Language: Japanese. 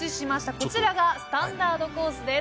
こちらがスタンダードコースです。